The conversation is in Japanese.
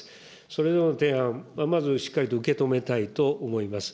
それぞれの提案、まずはしっかりと受け止めたいと思います。